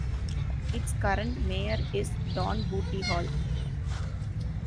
Its current mayor is Don "Booty" Hall.